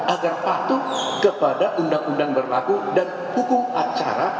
agar patuh kepada undang undang berlaku dan hukum acara